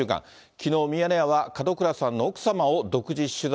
きのう、ミヤネ屋は門倉さんの奥様を独自取材。